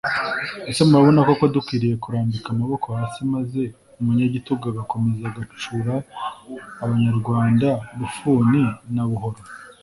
Ese murabona koko dukwiye kurambika amaboko hasi maze Umunyagitugu agakomeza agacura abanyarwanda bufuni na buhoro